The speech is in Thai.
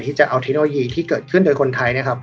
จะเอาเทคโนโลยีที่เกิดขึ้นโดยคนไทยนะครับ